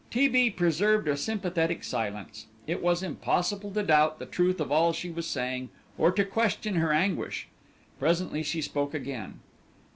T. B. preserved a sympathetic silence. It was impossible to doubt the truth of all she was saying, or to question her anguish. Presently she spoke again.